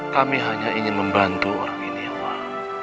kami hanya ingin membantu orang ini ya allah